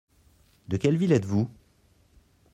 De quelle ville êtes-vous ?